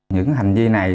những hành vi này